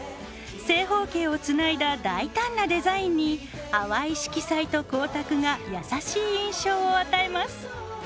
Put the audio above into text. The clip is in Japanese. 正方形をつないだ大胆なデザインに淡い色彩と光沢が優しい印象を与えます。